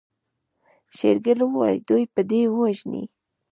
شېرګل وويل دوی به دې ووژني.